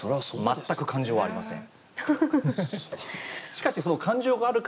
全く感情はありません。